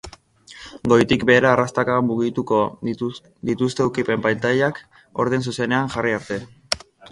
Goitik behera arrastaka mugituko dituzte ukipen-pantailan, orden zuzenean jarri arte.